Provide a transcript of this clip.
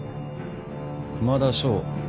熊田翔。